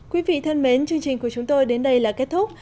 quý vị thân mến chương trình của chúng tôi đến đây là kết thúc